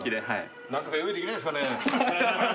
何とか用意できないですかね。